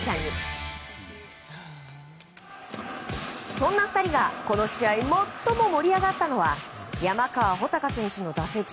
そんな２人がこの試合最も盛り上がったのは山川穂高選手の打席。